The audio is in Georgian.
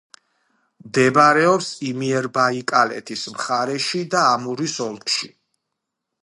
მდებარეობს იმიერბაიკალეთის მხარეში და ამურის ოლქში.